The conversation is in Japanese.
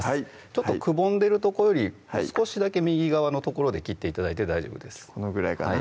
ちょっとくぼんでるとこより少しだけ右側の所で切って頂いて大丈夫ですこのぐらいかな？